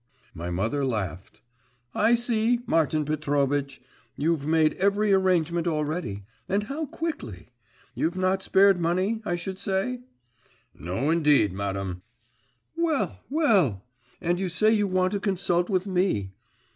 My mother laughed. 'I see, Martin Petrovitch, you've made every arrangement already and how quickly. You've not spared money, I should say?' 'No, indeed, madam.' 'Well, well. And you say you want to consult with me.